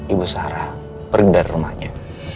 ibu sarah pergi dari rumahnya